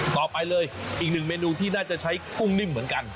ต่อไปเลยอีกหนึ่งเมนูที่น่าจะใช้กุ้งนิ่มเหมือนกัน